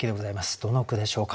どの句でしょうか。